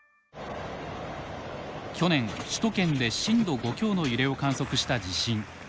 去年首都圏で震度５強の揺れを観測した地震。